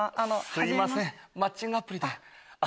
すいませんマッチングアプリで。